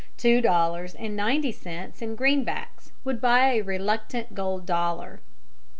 Two dollars and ninety cents in greenbacks would buy a reluctant gold dollar.